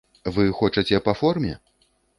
Вы хочаце па форме?